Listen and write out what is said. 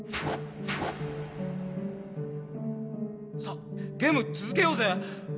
さあゲーム続けようぜ